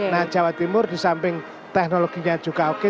nah jawa timur di samping teknologinya juga oke